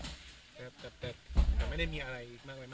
วันนี้ก็จะเป็นสวัสดีครับ